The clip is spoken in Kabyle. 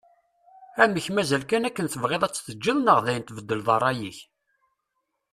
Amek mazal kan akken tebɣiḍ ad tt-teǧǧeḍ neɣ dayen tbeddleḍ rray-ik?